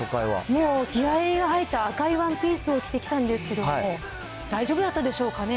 もう気合いが入って、赤いワンピースを着てきたんですけど、大丈夫だったでしょうかね